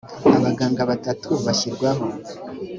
abaganga batatu gashyirwaho